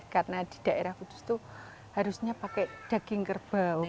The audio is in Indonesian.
karena di daerah kudus itu harusnya pakai daging kerbau